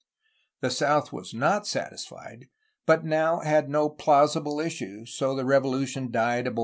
The south was not satisfied, but now had no plausible issue; so the revolution died a bornin'.